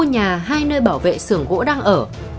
đồng thời đặc biệt chú ý khu nhà hai nơi bảo vệ xưởng gỗ đang ở